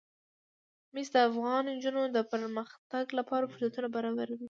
مس د افغان نجونو د پرمختګ لپاره فرصتونه برابروي.